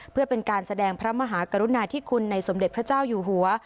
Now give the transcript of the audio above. เพื่อเป็นการแสดงพระมหากรุณาธิคุณในสมเด็จพระเจ้าอยู่หัว